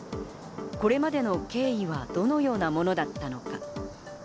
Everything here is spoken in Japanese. これまでの経緯はどのようなものだったのか。